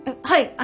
はい。